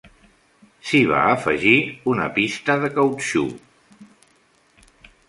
S'hi va afegir una pista de cautxú.